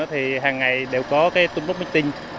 thì hàng ngày đều có túng đốt bích tinh